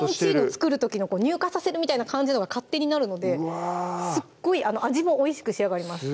作る時の乳化させるみたいな感じのが勝手になるのですっごい味もおいしく仕上がります